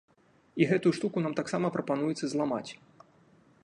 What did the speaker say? І гэтую штуку нам таксама прапануецца зламаць.